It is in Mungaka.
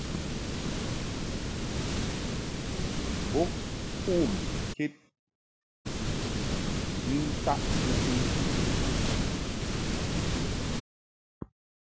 Bo ŋkom ked ni ntaʼ bɨsɨŋ.